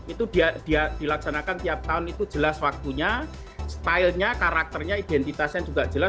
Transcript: itu dilaksanakan tiap tahun itu jelas waktunya stylenya karakternya identitasnya juga jelas